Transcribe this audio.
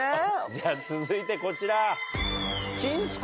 じゃあ続いてこちら。